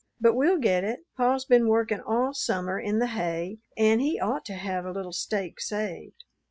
But we'll get it. Pa's been workin' all summer in the hay, and he ought to have a little stake saved.